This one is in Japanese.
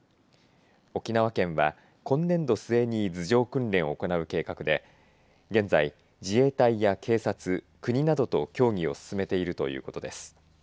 沖縄県は今年度末に図上訓練を行う計画で現在、自衛隊や警察国などと協議を進めているということです。